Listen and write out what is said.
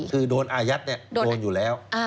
คือโดนอายัดโดนอยู่แล้ว